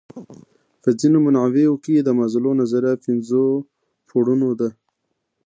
په ځینو منابعو کې د مازلو نظریه پنځو پوړونو ده.